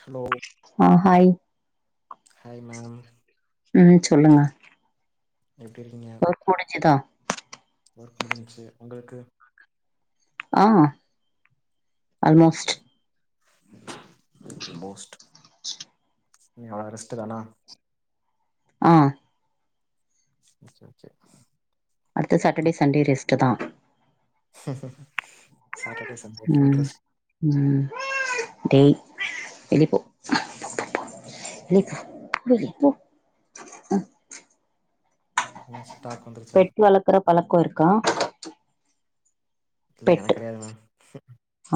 Hello ஆ hi hi ma'am ம் சொல்லுங்க எப்டி இருக்கீங்க ஒர்க் முடிஞ்சுதா ஒர்க் முடிஞ்ச்சு உங்களுக்கு ஆ ஓகே ஆல்மோஸ்ட் ஓகே மோஸ்ட் நீங்க அரெஸ்ட் தானா ஆ சேர் சேர் அடுத்த சாட்டர்டே சண்டே ரெஸ்ட்டுதா சாட்டர்டே சண்டே ஃபுல் ம் ரெஸ்ட் ம் வெளிய போ என்னாச்சு டாக் வந்துருச்சா க்கிற பழக்க இருக்கா இல்ல பெட் எனக்கு கெடையாது மேம்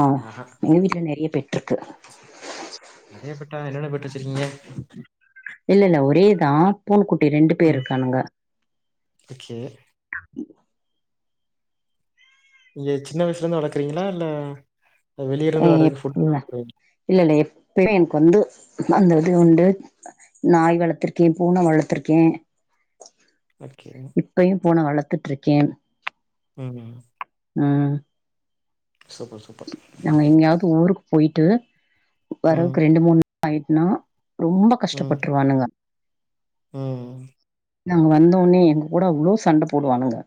ஆ ஆஹா எங்க வீட்ல நெறைய பெட்ருக்கு நெறையா பெட்டா என்னென்ன பெட் வெச்சிருக்கிங்க இல்ல இல்ல ஒரேதா பூன குட்டி ரெண்டு பேர் ம் இருக்கானுங்க ஓகே த நீங்க சின்ன வயசுல இருந்து வளக்குறிங்களா இல்ல வெளிய ஏ இருந்து வர்றதுக்கு எப்ல்ல ஃபுட் இல்ல இல்ல எப்பல எனக்கு வந்து அந்த இது உண்டு நாய் வளத்துருக்கே பூன வளத்துருக்கே ஓகே இப்பயு பூன வளத்துட்ருக்கே ம் ம் ம் சூப்பர் சூப்பர் நாங்க எங்கயாது ஊருக்கு போயிட்டு ம் வர்றதுக்கு ரெண்டு மூணு நாள் ஆயிட்னா ரொம்ப ம் கஷ்டப்பட்ருவானுங்க ம் நாங்க வந்தோனே எங்க கூட அவ்ளோ சண்ட போடுவானுங்க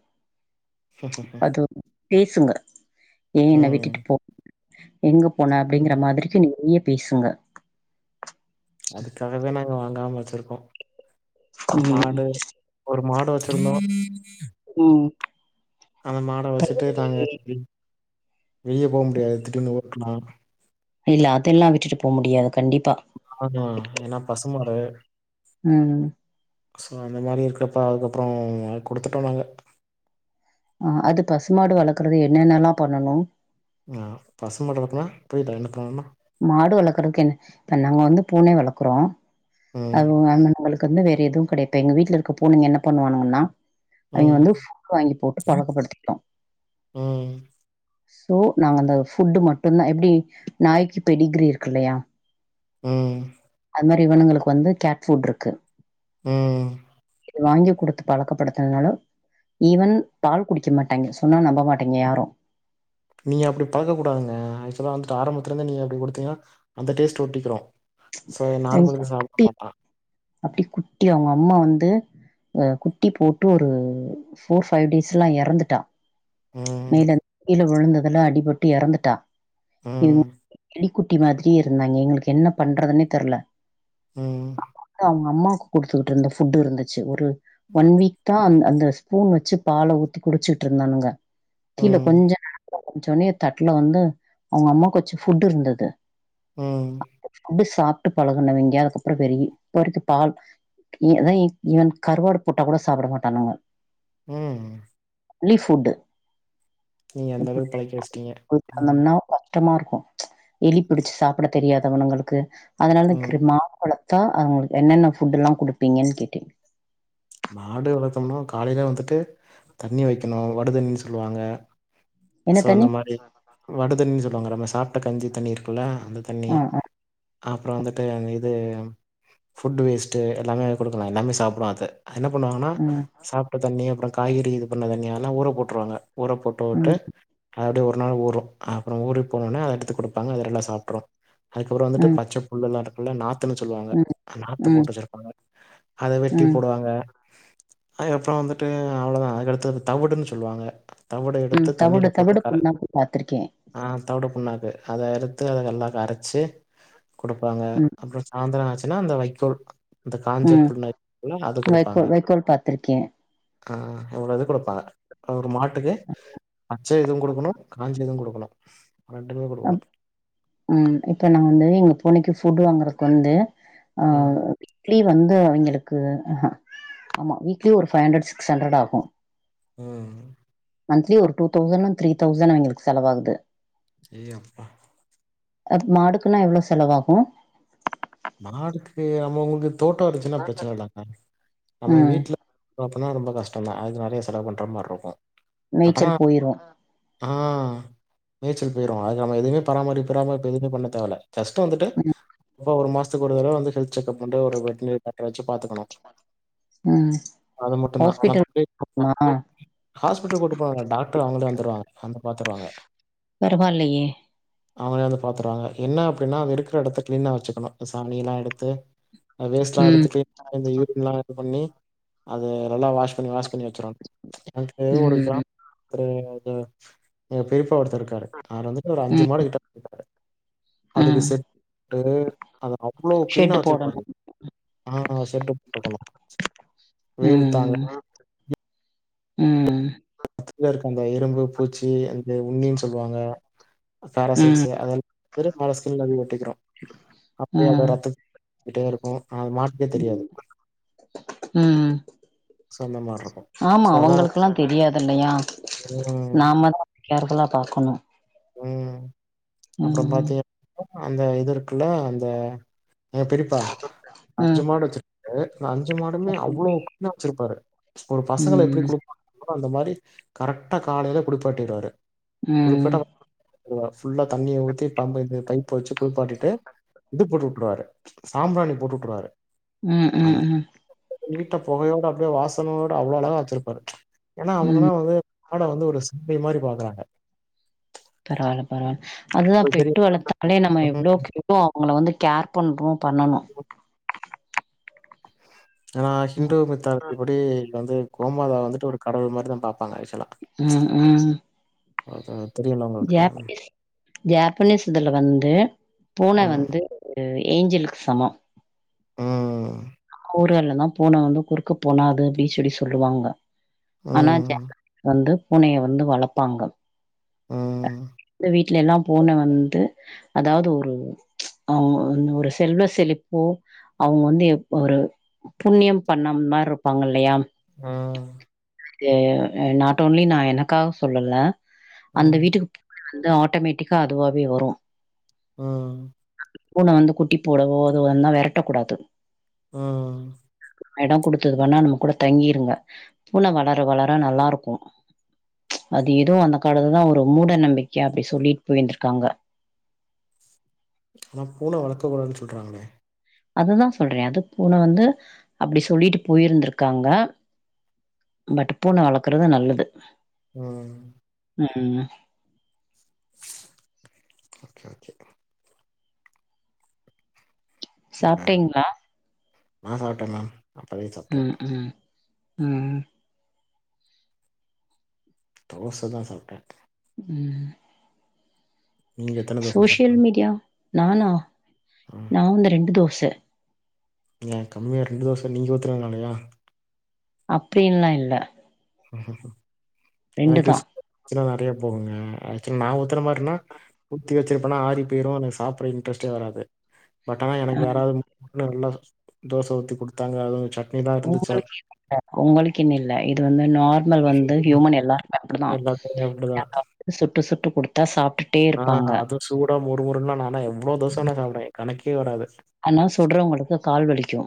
அது பேசுங்க ஏ என்ன ம் விட்டுட்டு போ எங்க போன ம் அப்டிங்கற மாதிரிக்கு நிறைய பேசுங்க அதுக்காகவே நாங்க வாங்காம வெச்சிருக்கோ ம் மாடு ஒரு மாடு வெச்சிருந்தோ ம் அந்த மாட வெச்சிட்டு நாங்க வி வெளிய போக முடியாது திடீனு ஓட்டனு இல்ல அதெல்லா விட்டுட்டு போ முடியாது கண்டிப்பா ஆமா ஏன்னா பசுமாடு ம் சோ அந்த மாரி இருக்றப்போ அதுக்கப்ற குடுத்துட்டோ நாங்க ஆ அது பசுமாடு வளக்குற என்னென்னல்லா பண்ணனு ஆ பசு மாடு வளக்குனா புரில என்ன பண்ணனுனா மாடு வளக்குறக்கு என்ன இப்ப நாங்க வந்து பூனை வளக்கறோ ம் அவுங்கன்னகளுக் வந்து வேற எதுவு கெடையா இப்ப எங்க வீட்ல இருக்க பூனைங்க என்ன பண்ணுவானுங்கன்னா அவிங்க ம் வந்து வாங்கி போட்டு பழக்கப்படுத்திட்டோ ம் சோ நாங்க அந்த ஃபுட்டு மட்டுநாதா எப்டி நாய்க்கு பெடிகிரி இருக்கு இல்லயா ம் அது மாரி இவுனுங்களுக்கு வந்து கேட் செண்ட் இருக்கு உம் இது வாங்கி குடுத்து பழக்கப்படுத்ததுனால ஈவன் பால் குடிக்க மாட்டாங்க சொன்னா நம்ப மாட்டீங்க யாரும் நீங்க அப்டி பழக்க கூடதுங்க ஆக்சுலா வந்துட்டு ஆரம்பத்துல இருந்து நீங்க அப்டி குடுத்தீங்கன்னா அந்த டேஸ்ட் ஒட்டிக்கிரும் சோ அன் நார்மல்க்கு சாப்ட குட்டி மாட்டா அப்டி குட்டியா அவுங்க அம்மா வந்து குட்டி போட்டு ஒரு ஃபோர் ஃபைவ் டேஸ்லா இறந்துட்டா ம் கீழ விழுந்ததுல அடிபட்டு இறந்துட்டா இவ் ம் இ குட்டி மாதிரியே இருந்தாங்க எங்களுக்கு என்ன பண்றதுன்னே தெர்ல உம் அவுங்க அம்மாவுக்கு குடுத்துக்கிட்டு இருந்த ஃபுட்டு் இருந்துச்சு ஒரு ஒன் வீக் தா அந்த அந்த ஸ்பூன் வச்சு பால ஊத்தி குடிச்சுட்டு இருந்தானுங்க கீழே ம் கொஞ்சோ [unintelligible] மே தட்ன ஒடனே அவுங்க அம்மா வச்ச ஃபுட்டு் இருந்தது ம் ம் அப்டி சாப்ட்டு பழகுனவங்க அதுக்கப்றோ பெரி [unintelligible] பால் அதான் இ ஈவன் கருவாடு போட்டா கூட சாப்ட மாட்டானாங்க உம் லி ஃபுட் நீங்க அந்த அளவுக்கு பழக்கி வச்சுட்டீங்க அந்த ம் மாரினா கஷ்டமா இருக்கும் எலிபிடிச்சு சாப்ட தெரியாதவனுங்களுக்கு அதனால ம் குளத்தா அவுங்களுக்கு என்னென்ன ஃபுட் எல்லாம் குடுப்பீங்கன்னு கேட்டீங்க மாடு வளத்தோம்னா காலையில வந்துட்டு தண்ணி வைக்கணும் அதுபாட்டுக்கு நீ சொல்லுவாங்க என்ன சோ தண்ணி அந்த மாரி வடு தண்ணின்னு சொல்லுவாங்க நம்ம சாப்ட்ட கஞ்சி தண்ணி இருக்குல்ல அந்த தண்ணி ஆ ஆ அப்றோம் வந்துட்டு இது ஃபுட் வேஸ்ட்டு எல்லாமே குடுக்கலாம் எல்லாமே சாப்டும் அது என்ன பண்ணுவாங்கன்னா ம் சாப்ட்ட தண்ணி அப்புறோம் காய்கறி இது பண்ண தண்ணிஎல்லா ஊற போட்ருவாங்க ஊற போட்டு போட்டு ம் அப்டியே அது ஒரு நாள் ஊறும் அப்றோம் ஊறி போனோனே அத எடுத்து குடுப்பாங்க அதெல்லாம் சாப்ட்றோ அதுக்கப்புறோம் வந்துட்டு ம் பச்சை புல்ல எல்லாம் இருக் நாத்துன்னு சொல்லுவாங்க ம் நாத்து ம் போட்டு கெடப்பாங்க அத வெட்டி ம் போடுவாங்க அதுக்கப்புறோ வந்துட்டு அவ்ளவுதா அதுக்கு அடுத்து தவிடுன்னு சொல்லுவாங்க தவுடு ம் எடுத்து தவிடு தண்ணில போட்டு தவிடு கரை புண்ணாக்கு பாத்திருக்கே ஆ தவுடு புண்ணாக்கு அத எடுத்து அத நல்லா கரச்சு குடுப்பாங்க ம் அப்றோம் சாய்ந்திரம் ஆச்சுன்னா அந்த வைக்கோல் இந்த காஞ்ச ம் புல்ல அது குடுப்பாங்க. வைக்கோல் பாத்திருக்கே ஆ எவ்ளவுது குடுப்பா ஒரு மாட்டுக்கு பச்சை இதுவும் குடுக்கணும் காஞ்ச இதுவும் குடுக்கணும் ரெண்டுமே குடுக்கணும் உம் இப்போ நாங்களே எங்க பூனைக்கு ஃபுட்டு் வாங்குறக்கு வந்து உம் இட்லி வந்து அவங்களுக்கு அஹ ஆமா வீக்ல ஒரு ஃபைவ் ஹண்ட்ரட் சிக்ஸ் ஹ்ண்ரட் ஆகும் உம் மந்த்லி ஒரு டூ தௌசண் த்ரீ தௌசண் எங்களுக்கு செலவாகுது ஏ அப்பா மாடுக்குன்னா எவ்ளோ செலவாகு மாடுக்கு நம்ம உங்களுக்கு தோட்டோ இருந்ச்சுன்னா பிரச்சன இல்லங்க நம்ம ம் வீட்ல அப்புனா ரொம்ப கஷ்டொன்தா அது நறைய செலவு பண்ற மார் ருக்கு மேய்ச்சல் போய்ரு ஆ மேச்சல் போய்ரு அது நம்ம எதுமே பராரிப் பராம இப்ப எதுமே பண்ண தேவல ஜஸ்ட் வந்துட்டு ஆ. ம் பா ஒரு மாஸ்த்துக் ஒரு தடவ வந்து ஹெல்த் செக்அப் பண்ட்டு ஒரு வெட்னேர் டாக்ட்ர வச்சி பாத்துக்கணு அ தான். ஹாஸ்பிட்டல் மத்தபடி புப் புப்மா ஹாஸ்பிட்டல் கூட்டு போன டாக்ட்ரு அவங்களே வந்துருவாங் ஹந்து பாத்துருவாங்க பருவாலையே அவனே அது பாத்துருவாங்கு என்ன அப்டின்னா அத் இருக்ற எடத்த க்ளின்னா வெச்சுக்கணு சாமி லா எடுத்து அ வேஸ்ட்லா ம் எடுத்து க்ளீன் எந்தி யூக்லா இது பண்ணி அது நல்லா வாஷ் பண்ணி வாஷ் பண்ணி வை ச்சுரம் அக்கு ஒரு ம் க்ராம் த்ரு டு எ பேஃபா ஒர்த்தர் இருக்காரு ஆர் வந்துட்டு ஒர் அஞ்சி ம் மாடி கிட்ட [unintelligible] அதுக்கு ம் செட் டு அவ்ளோ க்ளீனா ஷெட்டு வச்சிர்ப்பாரு போடணும் ஆ சோட்டு ப்ருக்கனு வேரு தாங்க ம் ம் ம் த்துக்ல இருக் அந்த எரும்பு பூச்சி அந்தே உன்னின் சொல்வாங்க ம் பேராசிட்ஸு அதல் இரு மேல ஸ்கின்லுன்து ஒட்டிக்கிறோ அப் யே அ ம் ரத்து கிட்டேருக்கு ஆனா அது மாட்னே தெரியாது ம். சோ அந்த மார் ருக்கு ஆமா அவங்களுக்லா தெரியாதில்லையா ம், நாமா தர்தலா பாக்கணு ம் அப்றோ பாத்தீய அந்த இதுற்க்குள்ள அந்த எ பெரிப்பா அஞ்சு ம் மாடு வச்சிரு ஏ நா அஞ்சு மாடுமே அவ்ளோ [inaudible] வச்சிர்ப்பாரு ஒரு பசங்கள எப்டி ம் குளு [inaudible] அந்த மாரி கரக்ட்டா காலைய்ல குடுப்பாட்டிட்வாரு ம் குளிப்பட்டுவ் அ ஃபுல்லா தண்ணிய ஊத்தி பம்ப் இந்து பைப்ப வச்சி குள்ப்பாட்டிட்டு இது போட் வுட்ருவார் சாம்ப்ராணி போட்டு வுட்ருவார் ம் ம் ம் நீட்ட புகையோட அப்டே வாசனோட அவ்ளோ அழகா வச்சிருப்பாரு ஏன்னா ம் அவங்கனா வந்து ஆடோ வந்து ஒரு ஸிப்பி மாரி பாக்குறாங்க பரவால்ல பரவால் அதுதா உங்களுக்கு தெரியு பெட்டு வளத்தாலே நம்ம ம் எவ்ளோ [inaudible] னு அவங்கள வந்து கேர் பண்றோ பண்ணணு எனா ஹிந்டு மித்தால் இப்படி இல் வந்து கோமாதா வந்துட்டு ஒரு கடவுள் மாரிதா பாப்பாங்க ஆஷுவல்லா ம் ம் அது தெரியுல உங்களுக்கு ஜாப்னிஸ் ஜாப்பனீஸ் இதுல வந்து பூன ம் வந்து எ ஏஞ்சல்க் சமோ ம் கூரு அல்லன்தா போனு வந்து குறுக்கு போனாது அப்டி சொல்லி சொல்லுவாங்க அனா ஜ ம் [inaudible] வந்து பூனைய வந்து வளப்பாங்க ம் இந்த வீட்ல எல்லா பூன வந்து அதாவ்து ஒரு அ ஒன்னொரு செல்வ செழிப்போ அவ்ங் வந்து எப் ஒரு புண்ணியம் பண்ணம் மார் ருப்பாங்களையாம் ம் தே எ நாட் ஒன்லி நா எனக்காவ் சொல்லல அந்த ம் வீட்டுக்குப் அந்து ஆட்டோமேட்டிக்கா அதுவாவே வறு ஆ பூன வந்து குட்டி போடவோ அது வந்நா வெரட்ட கூடாது ம் எடோ குடுத்ததுக்கு வேணா நா கூட தங்கிருங்க பூன வளர வளர நல்லா இருக்கு அது எதுவு அந்த காலத்துதா ஒரு மூட நம்பிக் க அப்படி சொல்லிட் போய்ந்திருக்காங்க ஆனா பூன வளக்கக் கூடாதுன் சொல்றாங்ளே அதுதா சொல்றே அது பூன வந்து அப்டி சொல்ட்டு போயிருந்திருக்காங்க பட் பூன வளக்குறது நல்லது ம் ம் ஓகே ஓகேகா வேற சாப்ட்டீங்களா நா சாப்ட்டே மேம் அப்பவே சாப்ட்டே ம் ம் ம் தோசதா சாப்ட்டே ம் நீங்க எத்தன தோச சோசியல் மீடியா நானா சாப்ட்டீங்க நா வந்து ரெண்டு தோச ஏ கம்மியா ரெண்டு தோச நீங்க உத்துறனாலயா அப்டின்லா இல்ல எனக்கு ரெண்டுதா [inaudible] நறைய போகுங்க நா ஊத்துற மாரினா ஊத்தி வெச்சிருப்பனா ஆரி போய்ரு அனா எனக் சாப்ட்ற இன்ட்ரெஸ்ட்டே வராது பட் ஆனா எனக்கு ஆ யாராவ்து நல்லா தோச ஊத்தி குடுத்தாங்க அதுவு சட் உங்களுக்கு இல்ல உங்களுக்கின் இல்ல இது வந்து நார் மல் வந்து ஹூமன் எல்லாருமே அப்டிதா எல்லாத்துலயு ஆ அது எல்லாத்தையும் அப்படிதான். வ சுட்டு சுட்டு குடுத்தா சாப்ட்டுட் ஆ அது சூடா மொறு முறுன்லா நானா எவ்ளோ தோச வேண் சாப்டுவே கணக்கே வராது அனா சுட்றோங்களுக்கு கால் வலிக்கு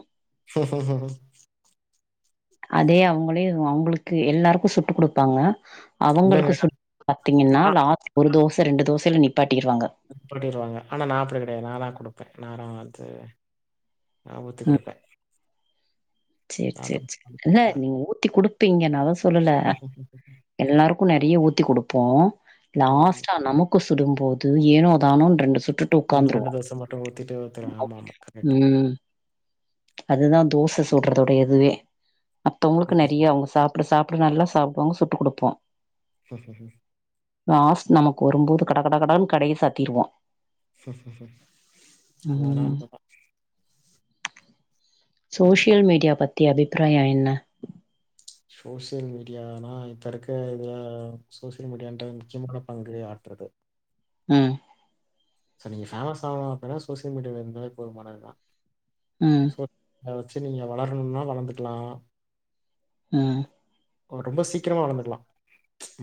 அதே அவுங்களே அவுங்களுக்கு எல்லாருக்கு சுட்டு குடுப்பாங்க இல்லங்க அவுங்களுக்கு சுட்டு பாத்தீங்கன்னா நா லாஸ்ட் ஒரு தோச ரெண்டு தோசைல நிப்பாட்டிருவாங்க நிப்பாட்டிருவாங்க ஆனா நா அப்டி கடையாது நாதா குடுப்பே நாதா வந்து நா ஊத்தி குடுப்பே செரி நா செரி செரி இல்ல நீங்க ஊத்தி குடுப்பீங்க நா தா சொ சொல்ல எல்லாருக்கு நறைய ஊத்தி குடுப்போ ம் லாஸ்டா நமக் கு சுடும்போது ஏனோ தானோ ரெண்டு சுட்டுட் ஒன்னு ரெண்டு தோச மட்டு ஊத்திட்டு விட்டுருவே ஆமா ஆமா கரெக்ட் அதுதா தோச சுட்றதுடைய இதுவே மத்தோங்களுக்கு நறிய அவுங்க சாப் அப்டி சாப்டு நல்லா சாப்டுங்க சுட்டு குடுப்போ ஆமாங்க லாஸ்ட் நமக்கு வரும்போது கட கட கடன் கடைய சாத்திருவோ அது வேணா ம் உண்மதா சோசியல் மீடியா பத்தி அபிப்ராயோ என்ன சோசியல் மீடியானா இப்போ இருக்க இதையா சோசியல் மீடியான்ற முக்கியமான பங்கு ஆட்றது அ இப்ப நீங்க ஃபேமஸ் ஆவனு அப்புன்னா சோசியல் மீடியால இருந்தாவே போதுமானதுதா அ அத வெச்சு நீங்க வளரணுனா வளர்ந்துக்கலா அ அ ரொம்ப சீக்கரமா வளந்துக்குலா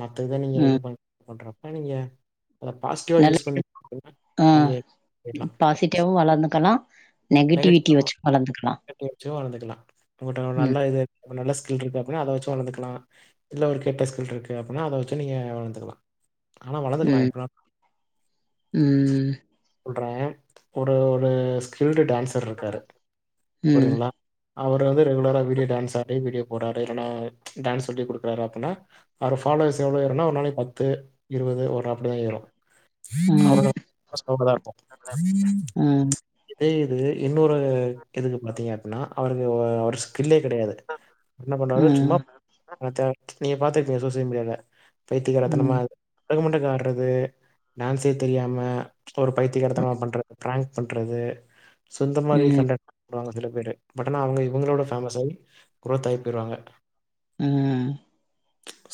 மத்த இத நீங்க இது ம் பண் பண்றப்ப நீங்க அத பாஸ்ட்டிவா நல்ல யூஸ் பண்ணி அப்படின்னா ஆ நீங்க போயிடலாம் பாசிட்டிவ வளந்துக்கலா நெகட்டிவிட்டி வச்சு வளந்துக்கலா வச்சு வளந்துக்கலா உங்கட்ட நல்ல இது அப்ப நல்ல ஸ்கில் இருக்கு அப்டினா அத வச்சு வளந்துக்கலா இல்ல ஒரு கெட்ட ஸ்கில் இருக்கு அப்டினா அத வச்சு நீங்க வளந்துக்கலா ஆனா வளந்துக்கலா ம் எப்பனா ம் சொல்றே ஒரு ஒரு ஸ்கில்டு டான்ஸ் தருக்காரு ம் புரியுதுங்ளா அவரு வந்து ரெகுலரா வீடியோ டான்ஸ் ஆடி வீடியோ போறாரு இல்லனா டான்ஸ் சொல்லி குடுக்குறாரு அப்பின்னா அவரு ஃபாலோவர்ஸ் எவ்ளோ ஏருன்னா ஒரு நாளைக் பத்து இருவது ஒரு அப்டியே ஏறு ம் [unintelligible] சொல்றதா அர்த்தோ ம் தே இது இன்னொரு இதுக்கு பாத்தீங்க அப்பினா அவருக்கு அவர் ஸ்கில்லே கெடையாது என்ன பண்ணுவாரு சும்மா ம் ஆனா தே நீங்க பாத்துருக்கீங்க சோசியல் மீடியால பைத்தியிகாரத்தனமா ம் அவ பொண்டாட்டி ஆட்றது டான்ஸே தெரியாம ஒரு பைத்திய காரத்தனமா பண்ற பிரங்க் பண்றது சோ இந்த மாரி ம் கன்டன் வருவாங்க சில பேரு பட் ஆனா அவுங்க இவுங்களோட பேமஸ் ஆயி குரோத் ஆய் போய்ருவாங்க ம்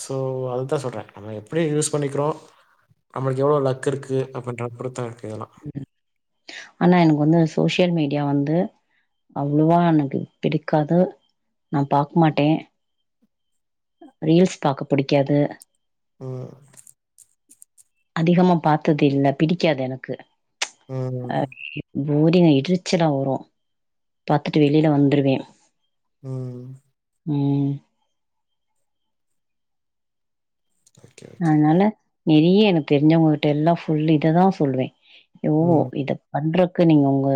சோ அதுதா சொல்றே நம்ம எப்டி யூஸ் பண்ணிக்றோ நம்மளுக்கு எவ்ளோ லக் இருக்கு அப்டின்ற அப்டி தா இருக்கு இதெல்லா ஆனா எனக்கு வந்து சோசியல் மீடியா வந்து அவ்ளோவா எனக்கு பிடிக்காது நா பாக் மாட்டே ரீல்ஸ் பாக்க புடிக்காது ம் அதிகமா பாத்ததில்ல பிடிக்காது எனக்கு அ ம். போரிங்கா எரிச்சலா வரு பாத்துட்டு வெளியில வந்துருவே ம் ம் ஓகே, ஓகே. அதனால நெறிய எனக்கு தெரிஞ்சவங்க கிட்ட எல்லா ஃபுல் இத தா சொல்லுவே ஓஹோ ம். இத பண்றக்கு நீங்க உங்க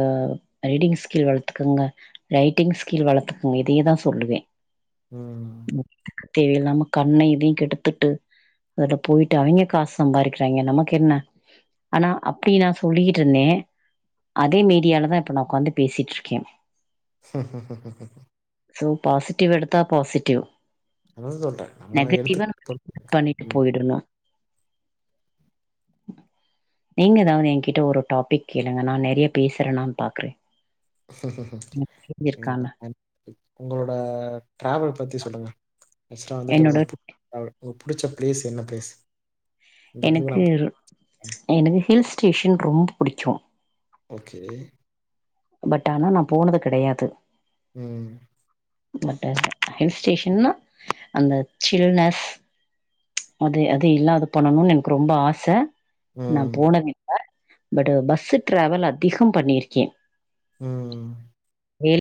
ரீடிங் ஸ்கில் வளத்துக்குங்க ரைட்டிங் ஸ்கில் வளத்துக்குங்க இதையே தா சொல்லுவே ம் தேவயில்லாம கண்ணை இதையு கெடுத்துட்டு அதோட போயிட்டு அவிங்க காஸ் சம்பாரிக்கிறாய்ங்க நமக்கென்ன ஆனா அப்டி நா சொல்லியீட்டு இருந்தே அதே மீடியால தா இப்ப நா உக்காந்து பேசிட்ருக்கே ஹ சோ பாசிட்டிவ் எடுத்தா போசிட்டிவ் அததா சொல்ட்டே நம்ம கட் எடுத்துக்கறத் பண்ணிட்டு ம் போயிடணு நீங்க ஏதாவது எ கிட்ட ஒரு டாபிக் கேளுங்க நா நெறைய பேசறனான் பாக்குறே எனக்கு என்ன தெரிஞ்சிருக்கான்னு [inaudible] உங்களோட டிராவல் பத்தி சொல்லுங்க ஃபஸ்டா வந்துட்டு என்னோட உங்ளுக் [inaudible] புடிச்ச பிளேஸ் என்ன பிளேஸ் இந்த இடத்துக்கு எனக்கு நான் போவேன். எனக்கு ஹில் ஸ்டேஷன் ரொம்ப புடிக்கு ஓகே பட் ஆனா நா போனது கெடையாது ம் மாட்டாங்க ஹில் ஸ்டேஷன்னா அந்த சில்னஸ் அது அது இல்லாத பண்ணணுன் எனக்கு ரொம்ப ஆச நா ம். போனதில்ல பட் பஸ்ஸு டிராவல் அதிகம் பண்ணிருக்கே ம் வேல